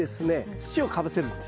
土をかぶせるんです。